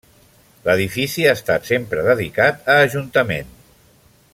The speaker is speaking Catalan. L'edifici ha estat sempre dedicat a Ajuntament.